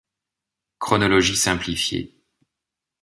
Chronologie simplifiée.